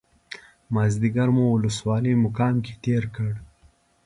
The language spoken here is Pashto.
مازیګری مو ولسوالۍ مقام کې تېر کړ.